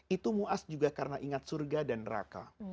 itu mu'adh juga karena ingat surga dan neraka